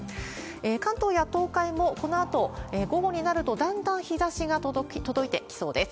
関東や東海もこのあと午後になると、だんだん日ざしが届いてきそうです。